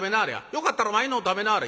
よかったらわいのを食べなはれ」。